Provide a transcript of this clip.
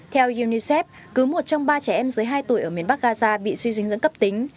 theo unicef cứ một trong ba trẻ em dưới hai tuổi ở miền bắc gaza bị suy dinh dưỡng cấp tính